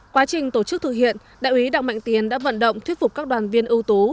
quá trình tổ chức thực hiện đại úy đặng mạnh tiến đã vận động thuyết phục các đoàn viên ưu tú